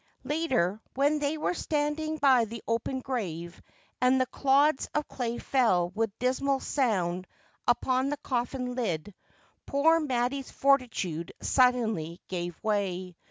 Later, when they were standing by the open grave, and the clods of clay fell with dismal sound upon the coffin lid, poor Mattie's fortitude suddenly gave way.